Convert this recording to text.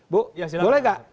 bu bu boleh gak